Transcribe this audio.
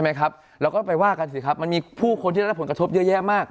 ไม่มั่นใจว่าดีกลาง